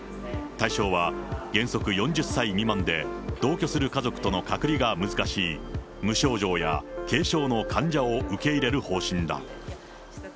対象は原則４０歳未満で、同居する家族との隔離が難しい、無症状や軽症の患者を受け入れる方針だ。